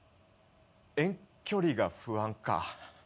遠距離が不安か。